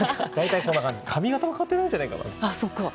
髪形は変わってないんじゃないかな。